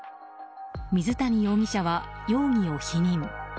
水谷容疑者は容疑を否認。